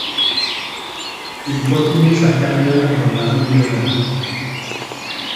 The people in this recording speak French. Il continue sa carrière dans l'Armée de l'Air.